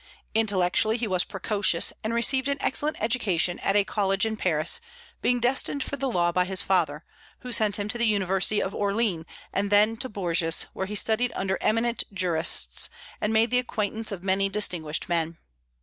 Intellectually he was precocious, and received an excellent education at a college in Paris, being destined for the law by his father, who sent him to the University of Orleans and then to Bourges, where he studied under eminent jurists, and made the acquaintance of many distinguished men.